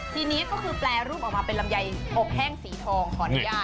ทีนี้ก็คือแปรรูปออกมาเป็นลำไยอบแห้งสีทองขออนุญาต